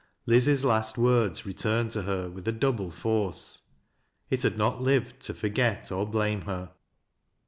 Liz's last words returned to her with a double fone. It had not lived to forget or blamo her.